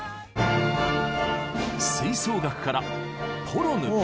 吹奏楽から「ポロヌプ」。